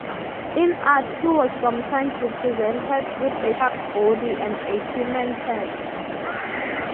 In art he was sometimes represented with a shark's body and a human head.